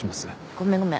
ごめんごめん。